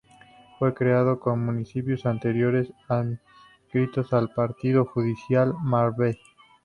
Fue creado con municipios anteriormente adscritos al partido judicial de Marbella.